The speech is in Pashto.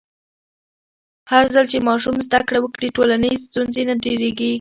هرځل چې ماشوم زده کړه وکړي، ټولنیز ستونزې نه ډېرېږي.